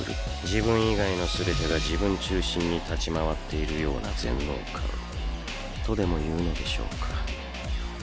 自分以外の全てが自分中心に立ち回っているような全能感とでも言うのでしょうか。